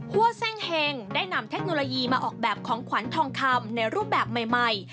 หัวเซ่งเฮงได้นำเทคโนโลยีมาออกแบบของขวัญทองคำในรูปแบบใหม่